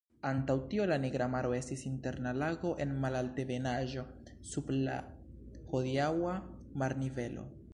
Antaŭ tio la Nigra Maro estis interna lago en malaltebenaĵo, sub la hodiaŭa marnivelo.